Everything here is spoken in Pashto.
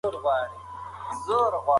ابدالیان د خپل کلتور او مذهب کلک ساتونکي دي.